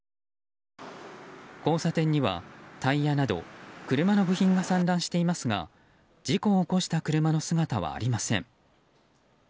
交差点にはタイヤなど車の部品が散乱していますが事故を起こした車の姿はありません。